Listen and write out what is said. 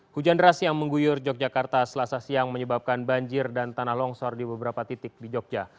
hujan deras yang mengguyur yogyakarta selasa siang menyebabkan banjir dan tanah longsor di beberapa titik di jogja